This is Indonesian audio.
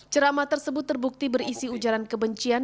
ceramah tersebut terbukti berisi ujaran kebencian